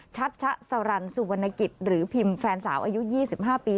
ชัชชะสรรสุวรรณกิจหรือพิมแฟนสาวอายุ๒๕ปี